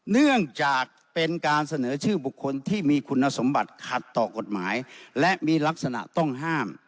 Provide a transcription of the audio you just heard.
เนื่องจากเป็นการเสนอชื่อบุคคลที่มีคุณสมบัติขัดต่อกฎหมายและมีลักษณะต้องห้าม